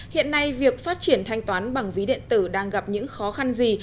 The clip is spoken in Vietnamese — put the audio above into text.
hiện nay việc phát triển thanh toán bằng ví điện tử đang gặp những khó khăn gì